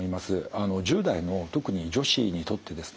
あの１０代の特に女子にとってですね